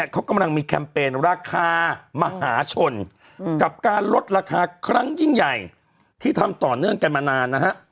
เขากำลังมีแคมเปญราคามหาชนกับการลดราคาครั้งยิ่งใหญ่ที่ทำต่อเนื่องกันมานานนะฮะ